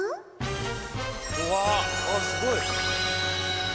あっすごい！